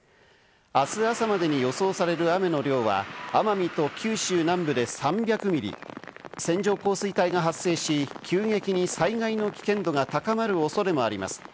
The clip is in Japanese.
あす朝までに予想される雨の量は、奄美と九州南部で３００ミリ、線状降水帯が発生し、急激に災害の危険度が高まる恐れもあります。